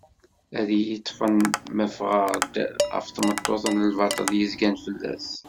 Ad iyi-ṭfen ma fɣeɣ-d ɣef tmeṭṭut d lbaṭel yezgan fell-as.